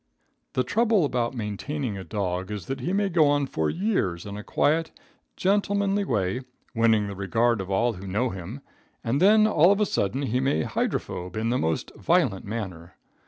The trouble about maintaining a dog is that he may go on for years in a quiet, gentlemanly way, winning the regard of all who know him, and then all of a sudden he may hydrophobe in the most violent manner.